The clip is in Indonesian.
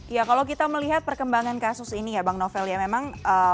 ya kalau kita melihat perkembangan kasus ini ya bang novel ya memang